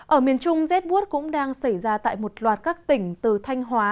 ở miền trung rét bút cũng đang xảy ra tại một loạt các tỉnh từ thanh hóa